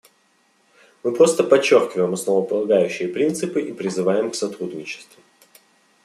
Мы просто подчеркиваем основополагающие принципы и призываем к сотрудничеству.